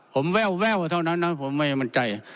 ผมแววเท่านั้นนะผมไม่มั่นใจ